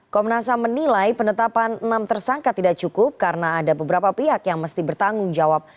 komnas ham menilai penetapan enam tersangka tidak cukup karena ada beberapa pihak yang mesti bertanggung jawab